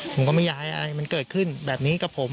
ผมก็ไม่อยากให้อะไรมันเกิดขึ้นแบบนี้กับผม